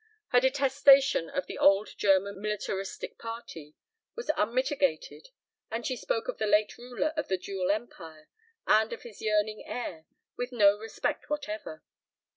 Her detestation of the old German militaristic party was unmitigated and she spoke of the late ruler of the Dual Empire and of his yearning heir with no respect whatever.